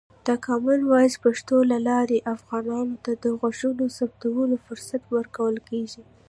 د کامن وایس پښتو له لارې، افغانانو ته د غږونو ثبتولو فرصت ورکول کېږي.